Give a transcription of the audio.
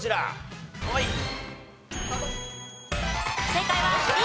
正解はＤ。